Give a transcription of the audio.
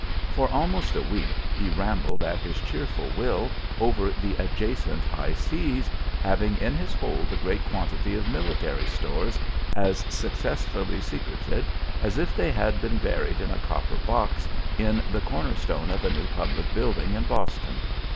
For almost a week he rambled at his cheerful will over the adjacent high seas, having in his hold a great quantity of military stores as successfully secreted as if they had been buried in a copper box in the cornerstone of a new public building in Boston.